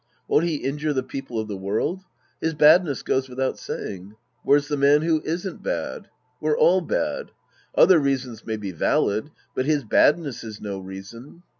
Won't he injure the people of the world ? His badness goes without saying. Where's the man who isn't bad ? We're all bad. Other reasons may be valid, but his badness is no reason.